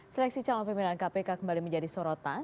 seleksi calon pimpinan kpk kembali menjadi sorotan